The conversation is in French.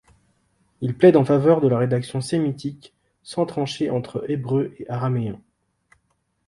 Il plaide en faveur de la rédaction sémitique, sans trancher entre hébreu et araméen.